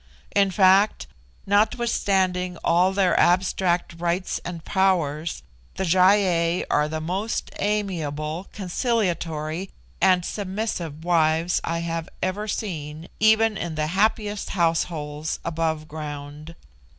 In fact, notwithstanding all their abstract rights and powers, the Gy ei are the most amiable, conciliatory, and submissive wives I have ever seen even in the happiest households above ground.